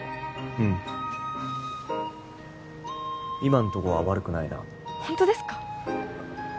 うん今んとこは悪くないなホントですか？